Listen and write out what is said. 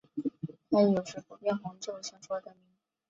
它以有时不变红就成熟而得名。